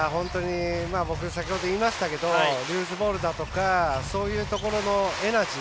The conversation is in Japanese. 僕、先ほど言いましたけどルーズボールだとかそういうところのエナジー。